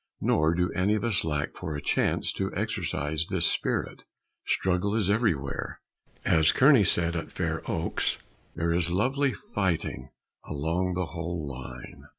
Nor do any of us lack for a chance to exercise this spirit. Struggle is everywhere; as Kearny said at Fair Oaks, "There is lovely fighting along the whole line."